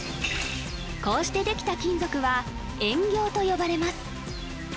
こうしてできた金属は円形と呼ばれます